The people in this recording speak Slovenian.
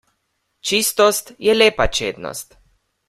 Čistost je lepa čednost.